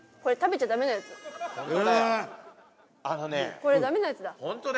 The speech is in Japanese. これダメなやつだ。